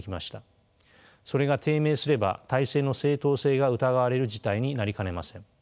それが低迷すれば体制の正統性が疑われる事態になりかねません。